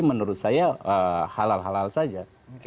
menurut saya halal halal saja